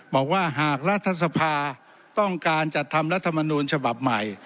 บอกว่าหากรัฐสภาต้องการจัดทำรัฐมนูลฉบับใหม่